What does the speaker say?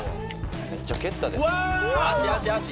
めっちゃ蹴ったで。